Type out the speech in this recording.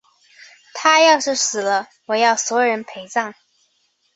她要是死了，我要所有人陪葬！